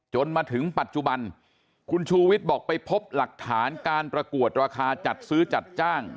จนถึงปัจจุบันคุณชูวิทย์บอกไปพบหลักฐานการประกวดราคาจัดซื้อจัดจ้าง